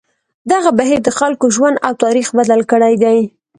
دغه بهیر د خلکو ژوند او تاریخ بدل کړی دی.